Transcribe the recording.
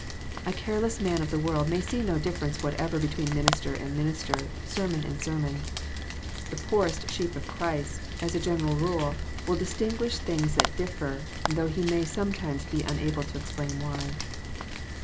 The careless man of the world may see no differ ence whatever between minister and minister, sermon and sermon. The poorest sheep of Christ, as a general rule, will ^* distinguish things that differ," though he may sometimes be unable to explain why.